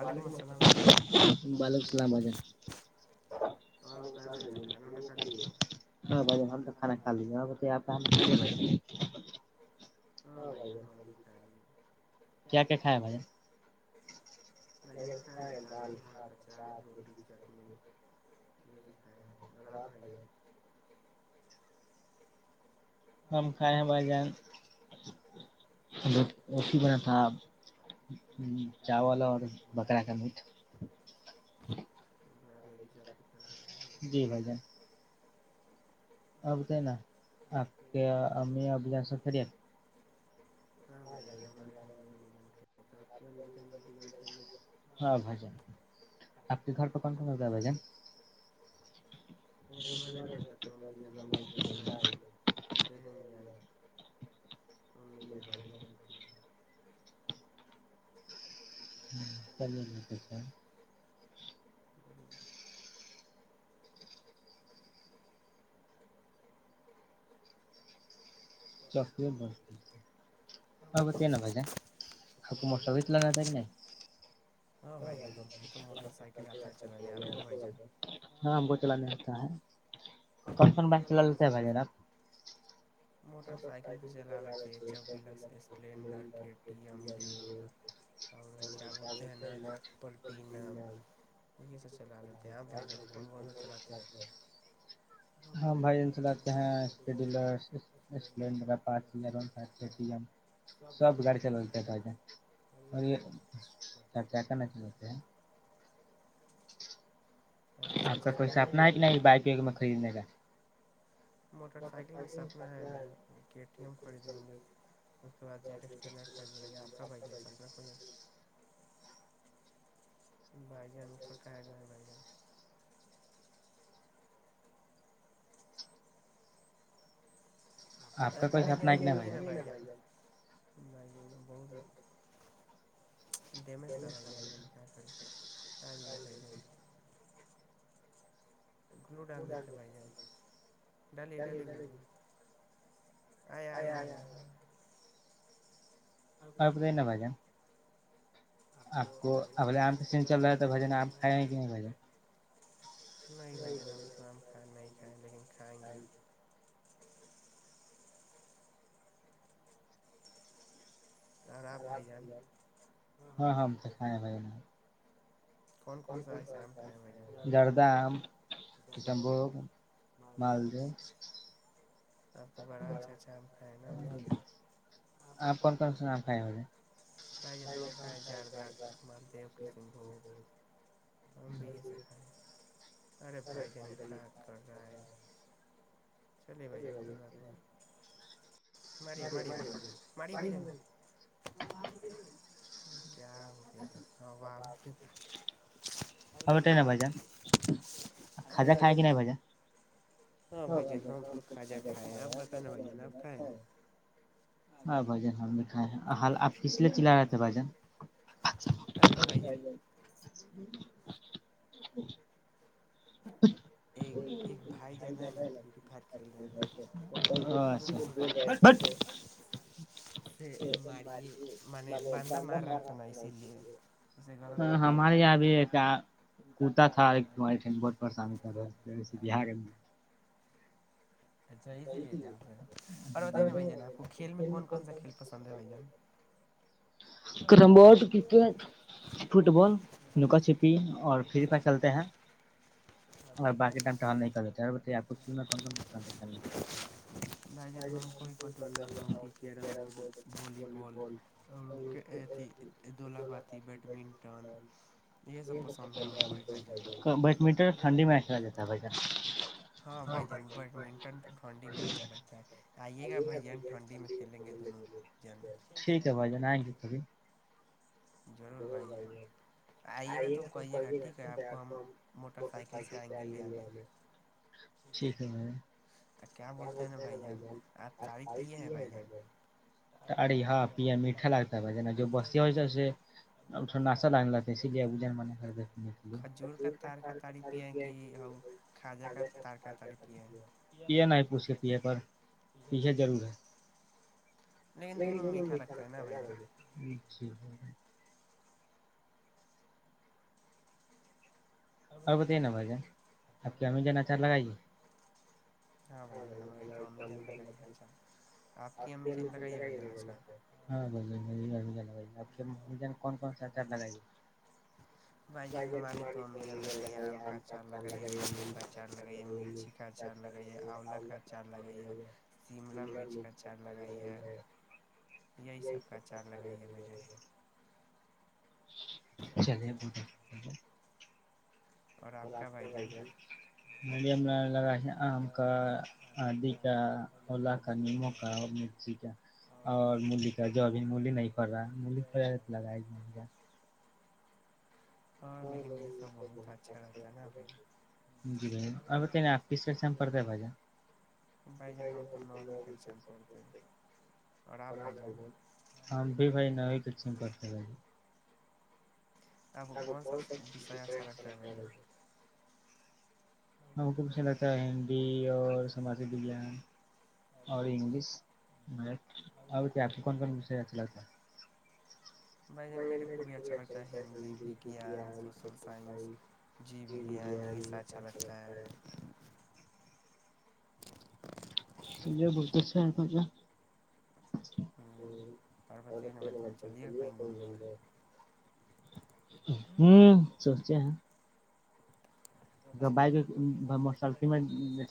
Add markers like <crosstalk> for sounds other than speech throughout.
واعلیکم اسلام بھائی جان باں بھائی جان ہم تو کھانا کھا لیجے کیا کیا کھایا میں نے <inaudible> <unintelligible> ہم کھائے ہیں بھائی جان رٹی بنا تھا چاول اور <inaudible> جی بھائی جان <unintelligible> اب دینا امی ابوسب بھڑیا <inaudible> <inaudible> <inaudible> چکلی بن ا وہ نہا پ جے ح کو موٹا بھیت ل تھا کہ نہیں ہاں وہ چالالیتا ہے کون کون بائک چلا لیتے ہے با <inaudible> بھائی جان کون کون سے چلاتے ہیں لڈر پچ سب گاڑی چل اور یہچ کرنا چ اکے ا چچ کا موٹر سائیکل سنا ہے نا خد گے اسع گے آپ کا بائی جان پٹ گ ہیں بائی جن ا بھائی جان نکالے نا بھائی جان بھائی جان بہت <unintelligible> ڈیمج تھا بھائی ج ل کیا کر آ ج بھائی ج <unintelligible> گو ڈال دیتے ب ج ڈال ڈال گ آ آ <unintelligible> آپپتائی ن ب جان <unintelligible> آپ کو الے آام کے سن چل رہا ہے تو بھجن آپ کھائے ہیں کہ نہیں بھجن <unintelligible> نہیں بھائی جان ابھی تو ہم کھائیں نہیں کھائے لیکن کھائیں گے <unintelligible> ہاں ہاں ہم تو ب <unintelligible> کو جڑدام پیٹمبگ مالدہ <unintelligible> اب تو بڑا اچھا اچھا ہم ک ن ب <unintelligible> آپ کون کون سا نام کھائے ہوے خرے س ب ب <unintelligible> ریے مریے جرییے بائی جانی کیا ہو کیا <unintelligible> کھجا کایا کہ نہیں باا ہاں بھجن ہم نے کھائے ہیں حال آپ کس لیے چلا رہے تھے بھجن <unintelligible> ایک ایک بھائی جانا ہے نا ف فائر کھیل رہے تھے رہے تھے پ بڑی م باندا مار رہا تھا نا اسی لیے اسے <unintelligible> پرشام رہ ویسے بہار carrom board cricket football نکا چپی اور فری فائر کھیلتے ہیں <unintelligible> اور بای ام تو حال نہیں کرال بپ <unintelligible> بھائی جان ہم کوئی پسند ہے ہ کیرم بورڈ وی بال اور دلہ پاتی بیٹمنٹن یہ سب پسند ہے ہم کوئی بھائی جان میٹر ٹنی میں بیڈمنٹن تو ٹھنڈی میں اچھا لگتا ہے آئیے گا بھائی جین ٹھنڈی میں کھیلیں گے دونوں ج ئیے گا تو مٹر سل سے ٹھیک ہےائی کیا بتا ہے ن ب پ پڑ ہاں پ میٹھا لگتا ہے ب ج نا جو بستیا ہوے کھجور کا تارک تاری پیے کہ کھاجہ کا تارک تاری پی پے نہ پوچھ کے پیے پر پیے ضرور ہے ل د اچ اور بتے نا بھن آپ کی ا اچار لگائے گی ب پھر ہم ج کون کون ساچار لگائییں گے بھائی جان ہماری کووم لگ آم کا اچار لگ نمبو کا اچار لگ مرچی کا اچار لگاے آ کا لگ مرچ کا چار لگ یہی سب کا اچار لگ چلے ب م لگ آم کا آدی کا ا کا نمو کا مرچی کا اور ملی کا جو اب ملی نہیں پ رہا م پگ ہاں لیکن یہ سب بہت اچھا رہتا ناھ بھائی جان توو کش کرتے اورھائی جان ہم کو پس لگتا ہے ہندی اور سماجی وگان اور انگلش میں ا کیا آپ کون کون وشی آ ل س بھائی جان میرے کوب بھی اچھا لگتا ہے وگان سوشل سائنس جی وگان یہ سا اچھا لگتا ہے س بولتا سے کیا ہ اگرنے م چلی کو ہوں سوچے ہے بک م س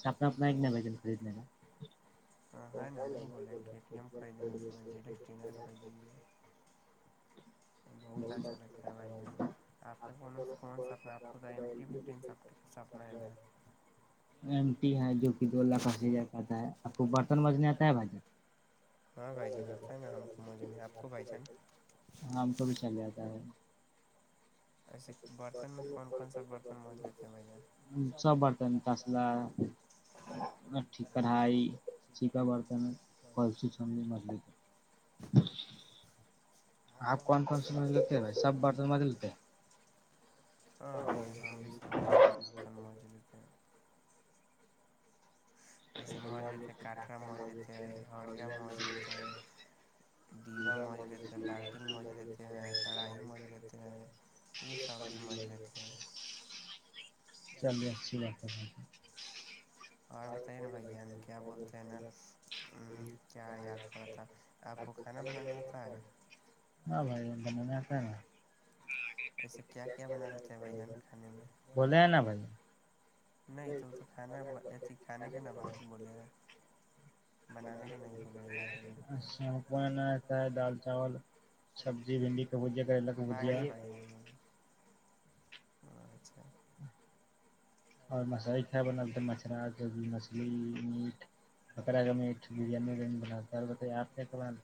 سٹپناپ خریدنے کا <unintelligible> ایم ٹی ہے جو کہ دوتا ہے آپ کو برتن بجنے آتا ہے بھائی ج ہاں خب چ آتا ہے ایچھے برتن میں کون کون سا برتن مج لیتے ہیں سب برتن تسلہ کڑھائی چا برتن ک چ مچھ آپ کون کون سا مز لیتے ہیں بھائی سب بر م لیتے ہیں لیتےا اچھی بات اور بتائی بھائی ہم کیا بولتے ہیں نا کیا یاد پاتا آپ کو کھانا بنانے آتا ہے ہوں ایسے کیا کیا بنا لیتے بھ جان کھانے میں نہیں تو تو کھانا ااناتا ہے دال چاول سبزی بھنڈی کا بجیا کریلا کی بجیا ا اچھا اور مسالی کیا بنتا مچا مچھلی میٹ بکرا کا میٹ بریانی وریانی بنتا اور بتائیے آپ نے کیا بن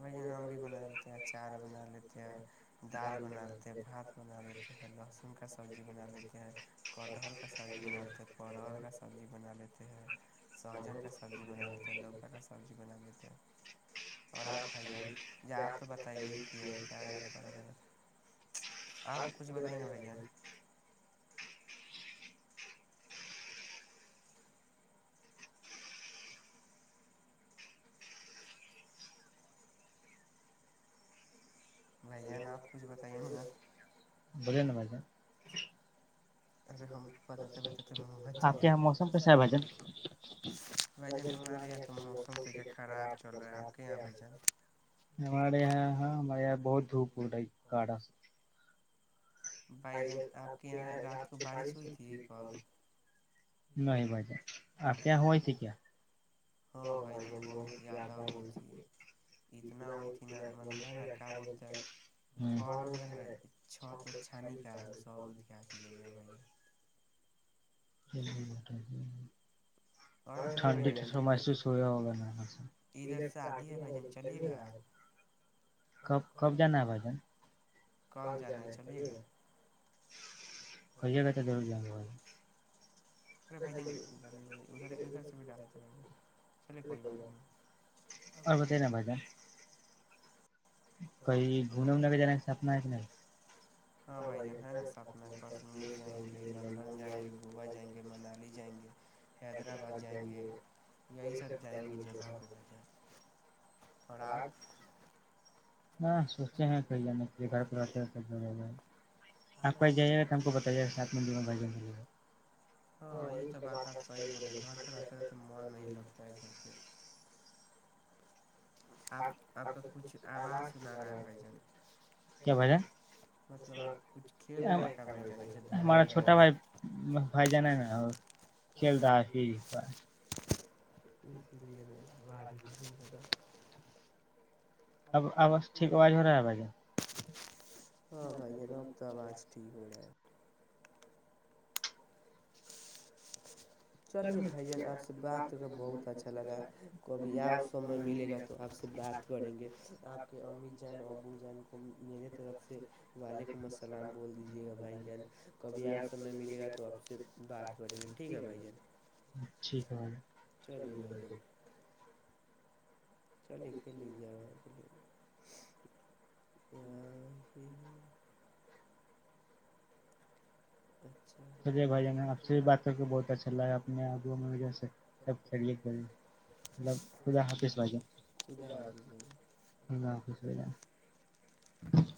بھ یہ ہم بھی بنا لیتے ہیں چارول بنا لیتے ہیں دال بنا لیتے ہیں بھات بنا لیتے ہیں لہسن کا سبزی بنا لیتے ہیں کٹہر کا سبزی بنا لیتے پرول کا سبزی بنا لیتے ہیں سہجن کا سبزی بنا لیتے ہیں لوکا کا سبزی بنا لیتے ہیں اور ہ <inaudible> بولے نا م کیاا آپ کے یہاں موسم کیسا ہے بھجنھارے یہ ہمارے یہاں ہمارے یہاں بہت دھپ اڑ رہی کاھا سے بائی رات کے رات کے بڑ نہیں بجا آپپ ہوئے تھ کیا ہاں بھائی جان بہت زیادہ ہوئی تھی اتنا ہوئی تھی نا م ہے نا کیا بولتے گھر اور ہے نا چھت تو چھانی کا وہ سب ادیا کے لے گیا بھائی جن جٹ ج <inaudible> <inaudible> ٹھنڈ محسوس ہو ہوگا کب کب جانا ہے بھائی جان کم جانا ہےے گ کے گ دور جان والا اے بھائی ج ڈالے ادھر ادھر سے بھی ڈالے تھے بھ چلے کوئی بات نہیں کہ گھنےنے کے جانے کا سپنا ہے کہ نہیںےےے حیدربادے سبے ہاں سوچے ہیں کہئی ج گھر گٹے س بنا آپ کو آ جائے گا ہم کو بتاائےا سات مندی میں ب ج ہاں یہ تو باتات ب کیا بھائی جان ہمارا چھوٹا بھائی بھائی جان ہے نا اور کھیل رہ ہے اسی لیے میںاز ہی اب آواز ٹھیک آواز ہو رہا ہے بھائی ہاں بھائی ج ن اب تو آواز ٹھیک ہو جائے چلیے بھائی جان آپ سے بات کر کے بہت اچھا لگا کبھی اور سمے ملے گا تو آپ سے بات کریں گے آپ کے امی جان ابو جان کو میے طرف سے وعلیکم السلام بول دیجیے گا بھائی جان کبھی اور سمے ملے گا تو آپ سے بات کریں گے ٹھیک ہے بھائی جان اچھییک چلیے بھ ج چلیے کلی ج ہ ہ <inaudible> سجے بھائی جان آپ سے بھی بات کر کے بہت اچھا لا اپنے آگ میں وجہ سے سب چحے ک مطلب خد حافظ بھائیے خلہ حافظ ب ج